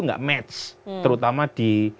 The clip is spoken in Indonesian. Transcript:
tidak match terutama di